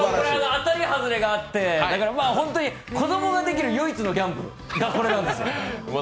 当たり外れがあって、子供ができる唯一のギャンブルがこれなんですね。